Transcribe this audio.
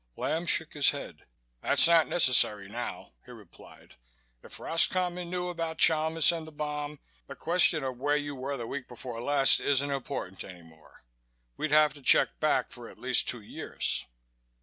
Lamb shook his head. "That's not necessary now," he replied. "If Roscommon knew about Chalmis and the bomb, the question of where you were the week before last isn't important any more. We'd have to check back for at least two years."